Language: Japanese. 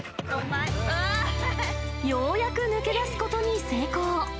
ようやく抜け出すことに成功。